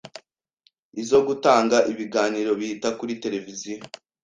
izo gutanga ibiganiro bihita kuri televiziyo